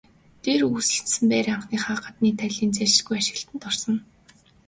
Дээр өгүүлсэнчлэн байр анхнаасаа гадна талын засалгүй ашиглалтад орсон.